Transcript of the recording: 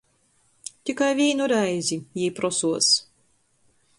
"Tikai vīnu reizi," jī prosuos.